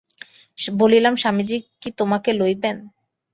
বলিলাম, স্বামীজি কি তোমাকে লইবেন?